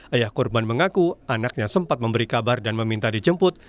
ayah korban mengaku anaknya sempat memberi kabar dan meminta dijemput